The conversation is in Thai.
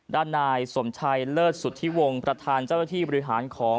ด้านนายสมชัยเลิศสุธิวงศ์ประธานเจ้าหน้าที่บริหารของ